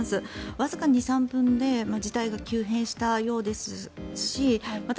わずか２３分で事態が急変したようですしまた